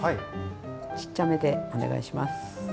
ちっちゃめでお願いします。